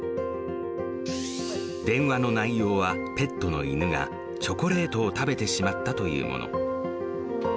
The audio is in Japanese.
電話の内容は、ペットの犬がチョコレートを食べてしまったというもの。